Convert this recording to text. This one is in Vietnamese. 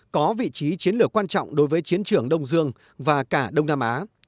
có vị trí chiến lược quan trọng đối với chiến trường đông dương và cả đông nam á